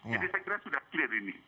jadi saya kira sudah clear ini